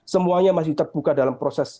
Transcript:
semuanya masih terbuka dalam proses